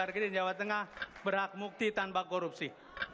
agar gini dan jawa tengah berhak mukti tanpa korupsi